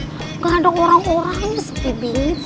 tidak ada orang orangnya sepi bingit mams